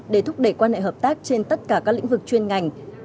để thúc đẩy quan hệ hợp tác trên tất cả các lĩnh vực chuyên ngành